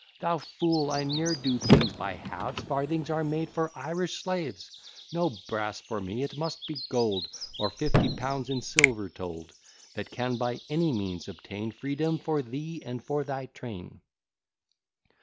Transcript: Thou fool, I ne'er do things by halves, Farthings are made for Irish slaves; No brass for me, it must be gold, Or fifty pounds in silver told, That can by any means obtain Freedom for thee and for thy train."